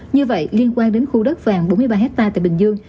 như vậy liên quan đến khu đất vàng bốn mươi ba hectare tại bình dương